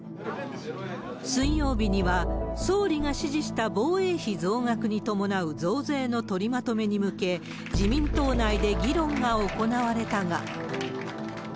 水曜日には、総理が指示した防衛費増額に伴う増税の取りまとめに向け、自民党内で議論が行われたが。